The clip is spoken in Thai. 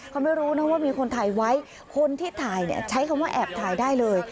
เขาไม่รู้นะว่ามีคนถ่ายไว้คนที่ถ่ายเนี่ยใช้คำว่าแอบถ่ายได้เลย